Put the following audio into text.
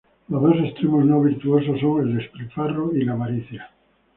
Los dos extremos no virtuosos son el despilfarro y la avaricia.